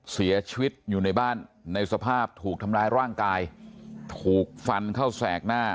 เสียชีวิตอยู่ในบ้านในสภาพถูกทำร้ายร่างกายถูกฟันเข้าแสกหน้า